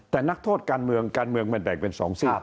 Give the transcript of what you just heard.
แต่นักโทษการเมืองมันแดกเป็น๒สิ่ง